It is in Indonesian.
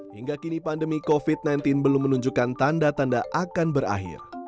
hingga kini pandemi covid sembilan belas belum menunjukkan tanda tanda akan berakhir